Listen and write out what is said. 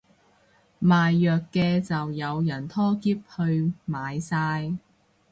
賣藥嘅就有人拖喼去買晒